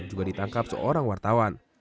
juga ditangkap seorang wartawan